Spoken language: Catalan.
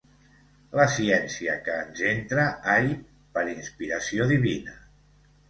La ciència que ens entra, ai, per inspiració divina.